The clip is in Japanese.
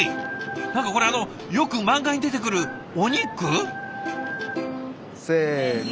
何かこれあのよく漫画に出てくるお肉？せの。